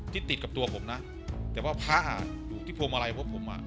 ที่ติดกับตัวผมนะแต่ว่าพระอยู่ที่พวงมาลัยพวกผมอ่ะ